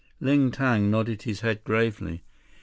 Ling Tang nodded his head gravely.